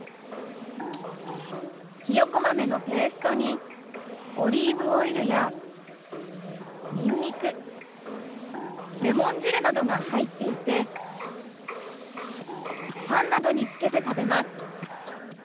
ひよこ豆のペーストにオリーブオイルやにんにくレモン汁などが入っていてパンなどにつけて食べます。